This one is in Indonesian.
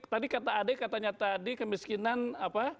tadi kata ade katanya tadi kemiskinan apa